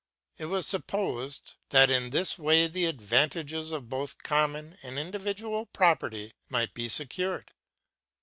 It was supposed that in this way the advantages of both common and individual property might be secured.